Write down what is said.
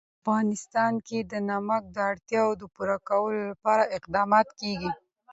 په افغانستان کې د نمک د اړتیاوو پوره کولو لپاره اقدامات کېږي.